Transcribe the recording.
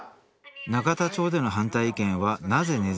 永田町での反対意見はなぜ根強いのか。